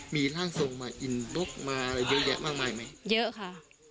มีร่างทรงมาอินดุ๊กมาอะไรเยอะแยะมากมายไหมเยอะค่ะ